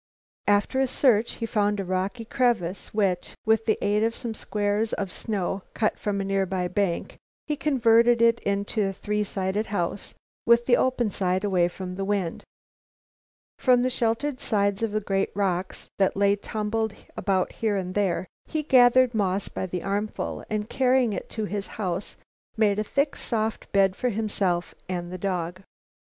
After a search, he found a rocky crevice which, by the aid of some squares of snow cut from a near by bank, he converted into a three sided house, with the open side away from the wind. From the sheltered sides of the great rocks that lay tumbled about here and there, he gathered moss by the armful and carrying it to his house, made a thick soft bed for himself and the dog.